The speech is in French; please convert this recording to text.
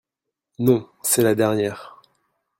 Non, c’est la dernière.